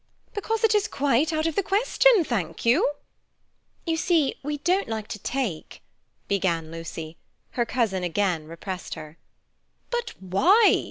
"Because it is quite out of the question, thank you." "You see, we don't like to take—" began Lucy. Her cousin again repressed her. "But why?"